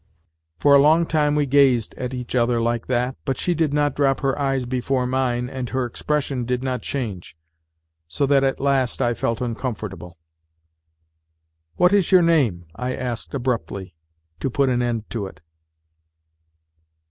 For a long time we gazed at each other like that, but she did not drop her eyes before mine and her expression did not change, so that at last I felt uncomfortable. '; What is 3 7 our name ?" I asked abruptly, to put an end to it.